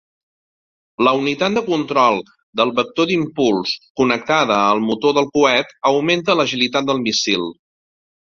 La unitat de control del vector d'impuls connectada al motor del coet augmenta l'agilitat del míssil.